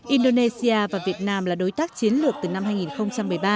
indonesia và việt nam là đối tác chiến lược từ năm hai nghìn một mươi ba